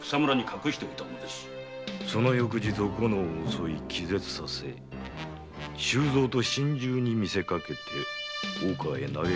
その翌日おこのを襲い気絶させ周蔵と心中に見せかけて大川へ投げ込んだのだな。